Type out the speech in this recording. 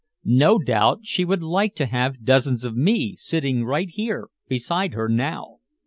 No doubt she would like to have dozens of me sitting right here beside her now!